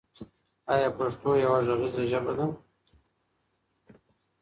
آیا پښتو یوه غږیزه ژبه ده؟